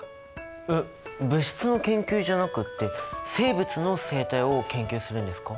えっ物質の研究じゃなくって生物の生態を研究するんですか？